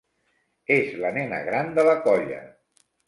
És la nena gran de la colla.